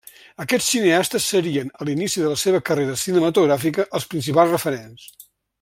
Aquests cineastes serien, a l'inici de la seva carrera cinematogràfica, els principals referents.